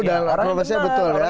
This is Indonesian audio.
dan kelompok polisnya betul ya